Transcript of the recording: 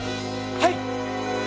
はい！